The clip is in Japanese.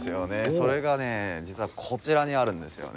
それがね実はこちらにあるんですよね。